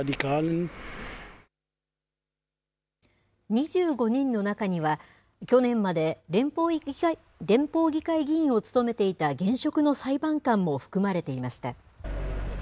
２５人の中には、去年まで、連邦議会議員を務めていた現職の裁判官も含まれていました。